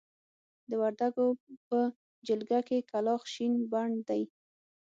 د وردکو په جلګه کې کلاخ شين بڼ دی.